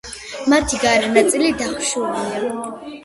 მათი გარე ნაწილი დახშულია.